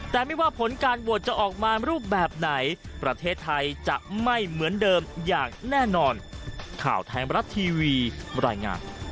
แต่ไม่ว่าผลการโหวตจะออกมารูปแบบไหนประเทศไทยจะไม่เหมือนเดิมอย่างแน่นอน